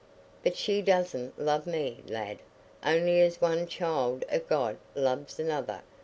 But she doesna love me, lad, only as one child o' God loves another.